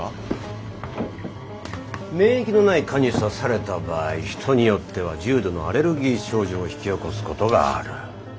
免疫のない蚊に刺された場合人によっては重度のアレルギー症状を引き起こすことがある。